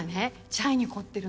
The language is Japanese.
チャイに凝ってるのよ。